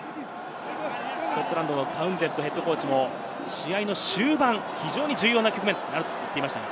スコットランドのタウンゼンドＨＣも試合の終盤、非常に重要な局面になると言っていました。